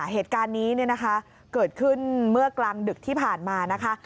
เหตุการณ์นี้เกิดขึ้นเมื่อกลางดึกที่ผ่านมานะคะ